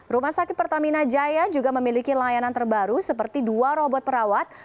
rumah sakit pertamina jaya juga memiliki layanan terbaru seperti dua robot perawat